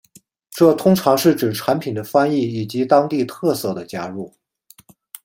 这通常是指产品的翻译以及当地特色的加入。